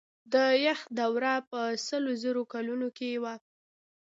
د یخ دوره په سلو زرو کلونو کې وه.